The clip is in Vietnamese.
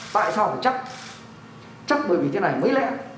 tại sao phải chắc chắc bởi vì thế này mới lẽ